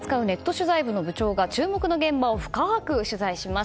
取材部の部長が注目の現場を深く取材します。